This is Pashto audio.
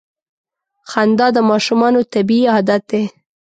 • خندا د ماشومانو طبیعي عادت دی.